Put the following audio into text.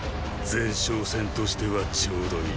前哨戦としてはちょうどいい。